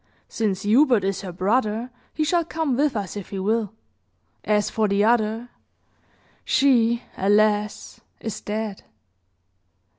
"Since Hubert is her brother, he shall come with us, if he will. As for the other, she, alas! is dead."